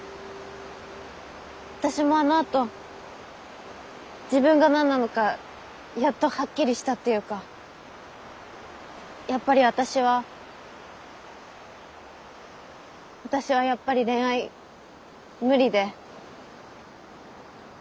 私もあのあと自分が何なのかやっとはっきりしたっていうかやっぱり私は私はやっぱり恋愛無理で。